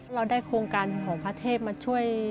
เราได้โครงการของพระเทพมาช่วย